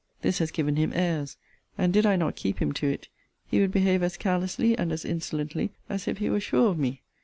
This has given him airs: and, did I not keep him to it, he would behave as carelessly and as insolently as if he were sure of me.